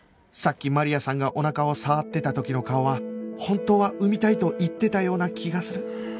さっきマリアさんがおなかを触ってた時の顔は本当は産みたいと言ってたような気がする